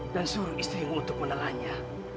dan suruh istrimu untuk menelannya